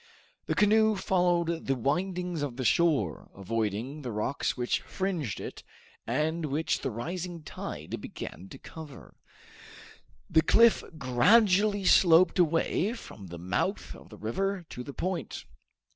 The canoe followed the windings of the shore, avoiding the rocks which fringed it, and which the rising tide began to cover. The cliff gradually sloped away from the mouth of the river to the point.